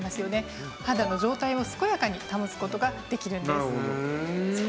肌の状態を健やかに保つ事ができるんです。